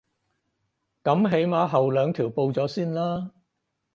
噉起碼後兩條報咗先啦